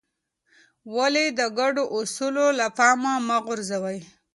ولې د ګډو اصولو له پامه مه غورځوې؟